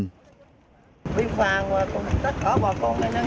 tổng viên thanh niên tham gia tổng vệ sinh môi trường